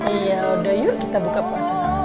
iya udah yuk kita buka puasa sama sama ya